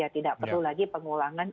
tidak perlu lagi pengulangan